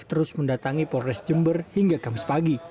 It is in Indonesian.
terus mendatangi polres jember hingga kamis pagi